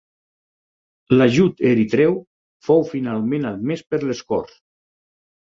L'ajut eritreu fou finalment admès per les corts.